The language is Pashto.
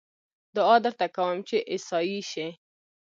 دعا درته کووم چې عيسائي شې